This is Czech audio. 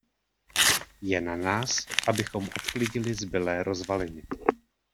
Je na nás, abychom odklidili zbylé rozvaliny.